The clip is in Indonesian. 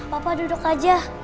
papa duduk aja